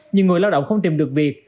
nhiều người lao động không tìm được việc